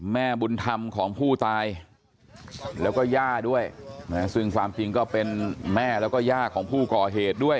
แม่บุญธรรมของผู้ตายแล้วก็ย่าด้วยนะซึ่งความจริงก็เป็นแม่แล้วก็ย่าของผู้ก่อเหตุด้วย